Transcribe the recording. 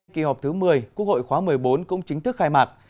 kỳ họp thứ một mươi quốc hội khóa một mươi bốn cũng chính thức khai mạc